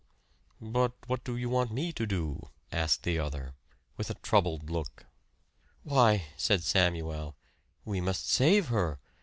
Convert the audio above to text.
"But what do you want me to do?" asked the other, with a troubled look. "Why," said Samuel, "we must save her.